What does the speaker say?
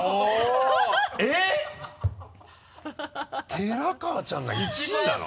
寺川ちゃんが１位なの？